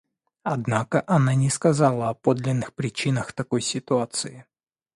Однако она не сказала о подлинных причинах такой ситуации.